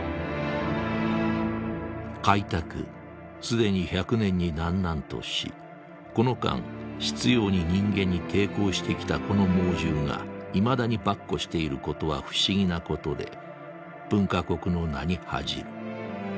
「開拓既に百年になんなんとしこの間執拗に人間に抵抗して来たこの猛獣がいまだに跋扈していることは不思議なことで文化国の名に恥じる。